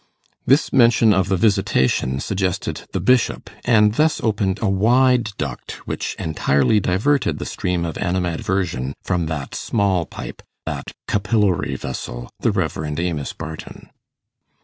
This mention of the visitation suggested the Bishop, and thus opened a wide duct, which entirely diverted the stream of animadversion from that small pipe that capillary vessel, the Rev. Amos Barton.